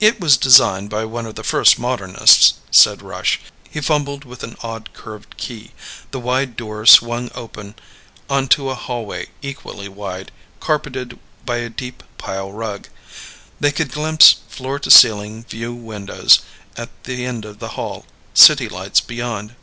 "It was designed by one of the first modernists," said Rush. He fumbled with an odd curved key. The wide door swung open onto a hallway equally wide, carpeted by a deep pile rug. They could glimpse floor to ceiling view windows at the end of the hall, city lights beyond.